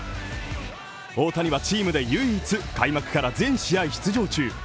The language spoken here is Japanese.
大谷はチームで唯一、開幕から全試合出場中。